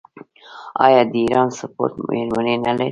آیا د ایران سپورټ میرمنې نلري؟